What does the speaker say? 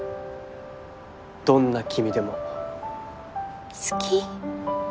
どんな君でも好き？